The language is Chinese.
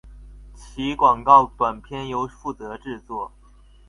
其广告短片由负责制作。